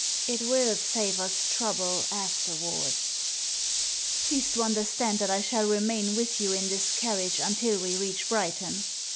It will save us trouble afterwards." "Please to understand that I shall remain with you in this carriage until we reach Brighton.